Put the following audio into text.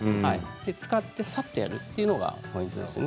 使って、さっとやるというのがポイントですね。